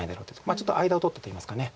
ちょっと間を取ったといいますか。